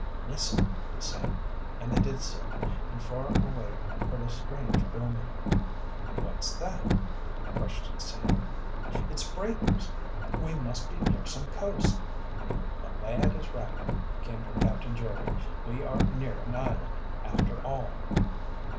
"Listen!" he said, and they did so, and far away heard a strange booming. "What's that?" questioned Sam. "It's breakers!" cried Tom. "We must be near some coast!" "The lad is right," came from Captain Jerry. "We are near an island, after all!"